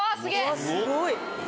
すごい！